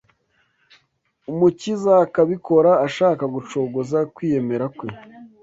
Umukiza akabikora ashaka gucogoza kwiyemera kwe